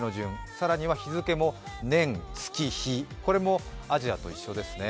さらには日付も年月日、アジアと一緒ですね。